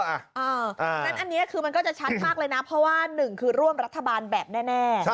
เพราะฉะนั้นอันนี้คือมันก็จะชัดมากเลยนะเพราะว่าหนึ่งคือร่วมรัฐบาลแบบแน่